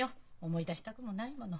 思い出したくもないもの。